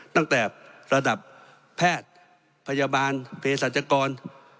ตั้งแต่ระดับแพทย์พยาบาลเพศรัชกร